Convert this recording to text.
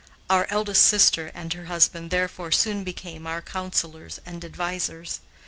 Our eldest sister and her husband, therefore, soon became our counselors and advisers.